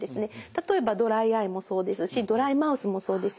例えばドライアイもそうですしドライマウスもそうです。